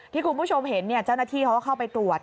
ที่คุณผู้ชมเห็นเจ้าหน้าที่เขาก็เข้าไปตรวจ